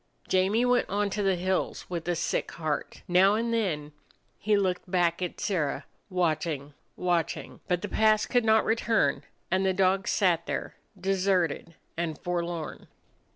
Jamie went on to the hills with a sick heart. Now and then he looked back at Sirrah, watching, watching. But the past could not return, and the dog sat there, deserted and forlorn.